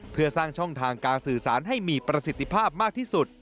เพื่อสร้างช่องทางการสื่อสารให้มีประสิทธิภาพมากที่สุด